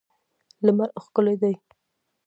لمر ښکلی دی.